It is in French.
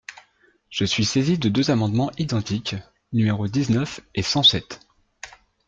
Je suis saisie de deux amendements identiques, numéros dix-neuf et cent sept.